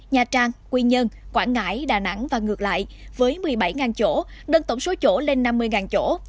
nha trang quy nhơn quảng ngãi đà nẵng và ngược lại với một mươi bảy chỗ đơn tổng số chỗ lên năm mươi chỗ